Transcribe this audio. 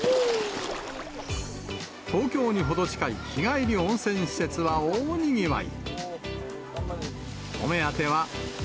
東京に程近い日帰り温泉施設は大にぎわい。